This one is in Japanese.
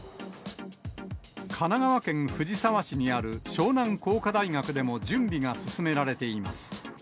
神奈川県藤沢市にある湘南工科大学でも準備が進められています。